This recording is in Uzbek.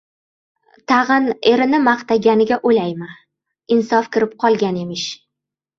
— Tag‘in erini maqtaganiga o‘laymi? Insof kirib qolgan emish!